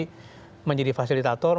mereka juga bisa menjadi fasilitator